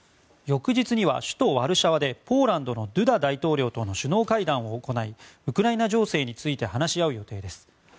翌日には首都ワルシャワでポーランドのドゥダ大統領との首脳会談を行いウクライナ情勢について話し合う予定です。